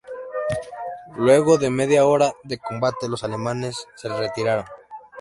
Luego de media hora de combate, los alemanes se retiraron.